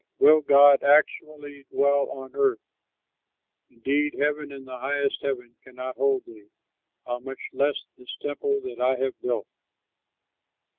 "But will God actually dwell on earth? Indeed heaven and the highest heaven cannot hold thee; how much less this temple that I have built!"